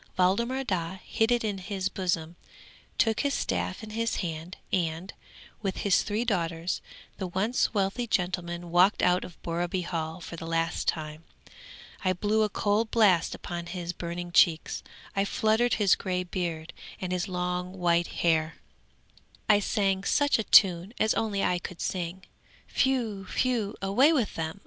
Waldemar Daa hid it in his bosom, took his staff in his hand, and, with his three daughters, the once wealthy gentleman walked out of Borreby Hall for the last time. I blew a cold blast upon his burning cheeks, I fluttered his grey beard and his long white hair; I sang such a tune as only I could sing. Whew! whew! away with them!